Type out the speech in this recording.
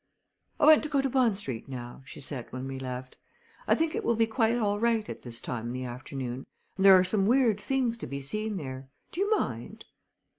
"I want to go to Bond Street now," she said when we left, "I think it will be quite all right at this time in the afternoon, and there are some weird things to be seen there. Do you mind?"